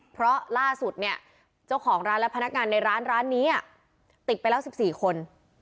เพราะล่าสุดเนี่ยเจ้าของร้านและพนักงานในร้านร้านนี้ติดไปแล้ว๑๔คน